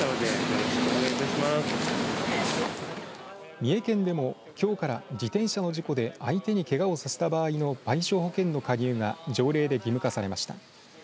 三重県でもきょうから自転車の事故で相手にけがをさせた場合の賠償保険の加入が条例で義務化されました。